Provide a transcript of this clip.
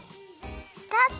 スタート！